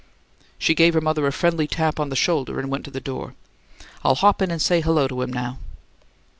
She gave her mother a friendly tap on the shoulder and went to the door. "I'll hop in and say hello to him now."